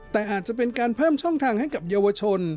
แต่อาจจะเป็นการเพิ่มช่องทางให้กับเยาวชน